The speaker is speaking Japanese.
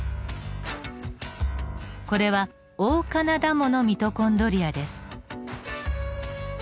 これはオオカナダモのミトコンドリアです。